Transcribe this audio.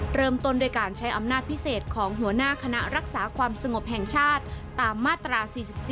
เริ่มต้นด้วยการใช้อำนาจพิเศษของหัวหน้าคณะรักษาความสงบแห่งชาติตามมาตรา๔๔